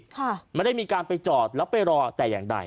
ค่ะไม่ได้มีการไปจอดแล้วไปรอแต่อย่างใด